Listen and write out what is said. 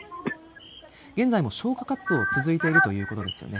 現在も消火活動続いているということですよね。